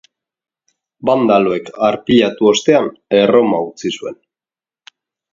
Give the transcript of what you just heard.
Bandaloek arpilatu ostean, Erroma utzi zuen.